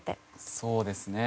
そうですね。